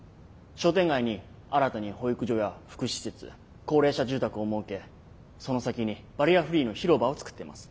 商店街に新たに保育所や福祉施設高齢者住宅を設けその先にバリアフリーの広場を作っています。